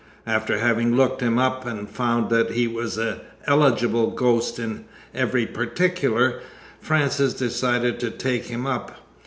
After having looked him up and found that he was an eligible ghost in every particular, Frances decided to take him up.